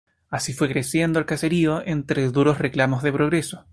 Así fue creciendo el caserío, entre duros reclamos de progreso.